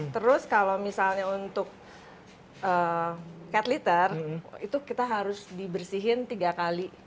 terus kalau misalnya untuk cat litter itu kita harus dibersihin tiga kali